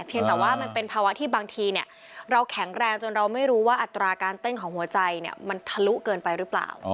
แต่ว่ามันเป็นภาวะที่บางทีเราแข็งแรงจนเราไม่รู้ว่าอัตราการเต้นของหัวใจมันทะลุเกินไปหรือเปล่า